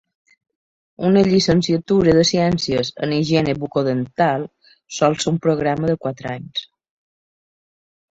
Una llicenciatura de ciències en Higiene Bucodental sol ser un programa de quatre anys.